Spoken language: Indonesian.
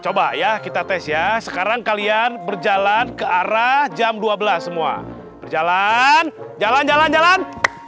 coba ya kita tes ya sekarang kalian berjalan ke arah jam dua belas semua berjalan jalan jalan